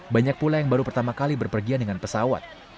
banyak pula yang baru pertama kali berpergian dengan pesawat